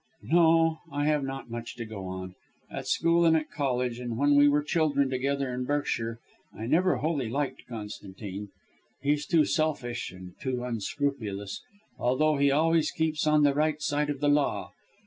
"No; I have not much to go on. At school and at college, and when we were children together in Berkshire, I never wholly liked Constantine. He's too selfish and too unscrupulous, although he always keeps on the right side of the law.